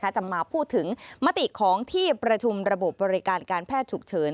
จะมาพูดถึงมติของที่ประชุมระบบบบริการการแพทย์ฉุกเฉิน